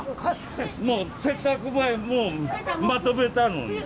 もうせっかくもうまとめたのに。